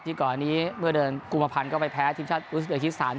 ที่ก่อนนี้เมื่อเดินกุมพันธุ์ก็ไปแพ้ทีมชาติอูสเบียร์คริสตาน